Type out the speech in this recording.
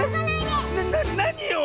ななによ